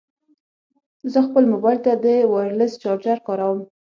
زه خپل مبایل ته د وایرلیس چارجر کاروم.